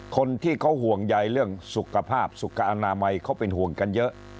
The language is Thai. คนที่เขาห่วงใยเรื่องสุขภาพสุขอนามัยเขาเป็นห่วงกันเยอะ